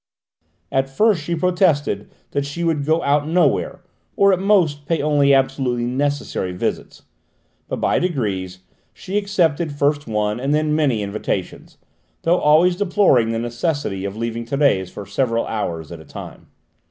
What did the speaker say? At first she protested that she would go out nowhere, or at most pay only absolutely necessary visits, but by degrees she accepted first one and then many invitations, though always deploring the necessity of leaving Thérèse for several hours at a time.